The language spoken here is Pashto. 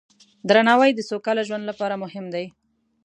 درناوی د سوکاله ژوند لپاره مهم دی.